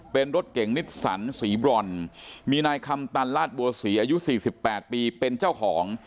เป็นรถเก่งนิสสันสีบรอนมีนายคำตันลาดบัวศรีอายุ๔๘ปีเป็นเจ้าของ